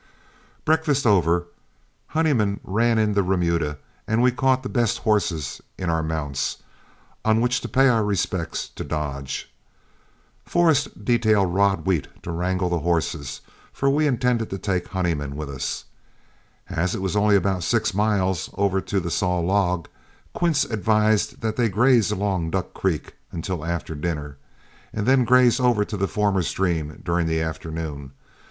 Breakfast over, Honeyman ran in the remuda, and we caught the best horses in our mounts, on which to pay our respects to Dodge. Forrest detailed Rod Wheat to wrangle the horses, for we intended to take Honeyman with us. As it was only about six miles over to the Saw Log, Quince advised that they graze along Duck Creek until after dinner, and then graze over to the former stream during the afternoon.